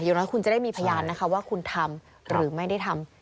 อย่างน้อยคุณจะได้มีพยานนะคะว่าคุณทำหรือไม่ได้ทำ